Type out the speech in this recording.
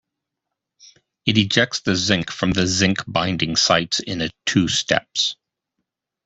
It ejects the zinc from the zinc binding sites in a two steps.